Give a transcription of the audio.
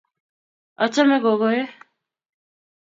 achame gogoe